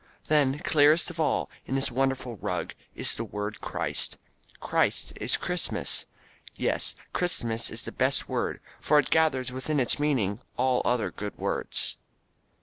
Then clearest of all in this wonderful rug is the word Christ. Christ is Christmas. Yes, Christmas is the best word for it gathers within its meaning all other good words.